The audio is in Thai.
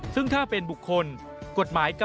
๕เงินจากการรับบริจาคจากบุคคลหรือนิติบุคคล